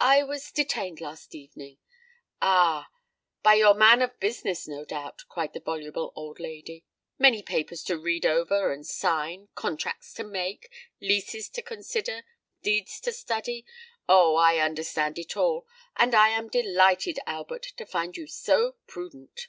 "I was detained last evening——" "Ah! by your man of business, no doubt," cried the voluble old lady. "Many papers to read over and sign—contracts to make—leases to consider—deeds to study—Oh! I understand it all; and I am delighted, Albert, to find you so prudent."